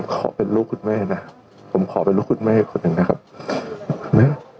ขอเป็นลูกคุณแม่นะผมขอเป็นลูกคุณแม่อีกคนหนึ่งนะครับแม่